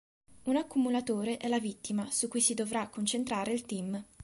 Un accumulatore è la vittima su cui si dovrà concentrare il team.